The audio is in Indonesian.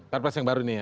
perpres yang baru ini ya